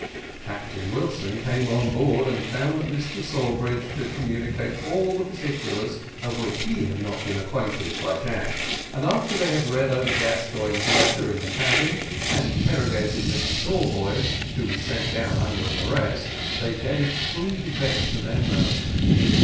Captain Wilson came on board, and found that Mr Sawbridge could communicate all the particulars of which he had not been acquainted by Jack; and after they had read over Gascoigne's letter in the cabin, and interrogated Mr Tallboys, who was sent down under an arrest, they gave free vent to their mirth.